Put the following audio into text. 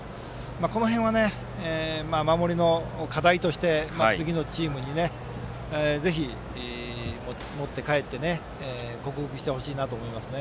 この辺は守りの課題として次のチームにぜひ持って帰って克服してほしいなと思いますね。